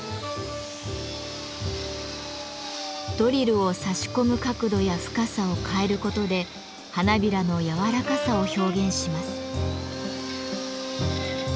ドリルを差し込む角度や深さを変えることで花びらの柔らかさを表現します。